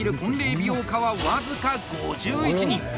美容家は僅か５１人。